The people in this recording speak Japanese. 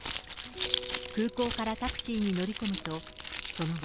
空港からタクシーに乗り込むと、その後、